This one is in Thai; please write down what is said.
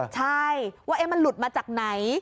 ใช่ว่ามันหลุดมาจากไหน